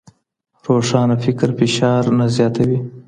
روښانه فکر فشار نه زیاتوي.